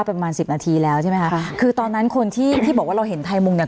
ประมาณสิบนาทีแล้วใช่ไหมคะคือตอนนั้นคนที่ที่บอกว่าเราเห็นไทยมุงเนี่ย